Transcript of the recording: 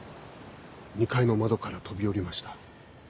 ２階の窓から飛び降りました。